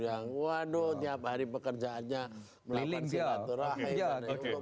yang waduh tiap hari pekerjaannya melakukan silaturahim